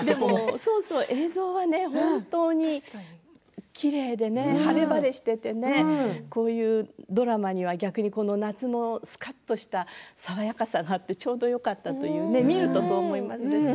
映像はね、本当にきれいでね晴れ晴れしていてこういうドラマには逆に、この別のすかっとした爽やかさがあってちょうどよかったというか見るとそう思いますね。